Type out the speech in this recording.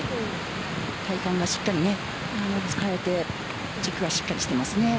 体幹がしっかり使えて軸はしっかりしています。